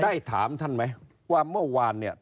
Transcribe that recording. ได้ถามท่านไหมว่าเมื่อวานเนี่ย